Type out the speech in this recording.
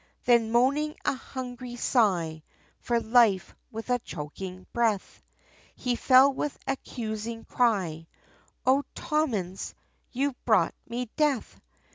Then moaning a hungry sigh, for life, with a choking breath, He fell with accusing cry, "O Tommins you've brought me death!